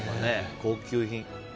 高級品。